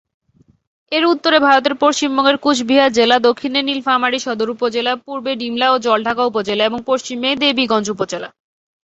এর উত্তরে ভারতের পশ্চিমবঙ্গের কুচবিহার জেলা, দক্ষিণে নীলফামারী সদর উপজেলা, পূর্বে ডিমলা ও জলঢাকা উপজেলা এবং পশ্চিমে দেবীগঞ্জ উপজেলা।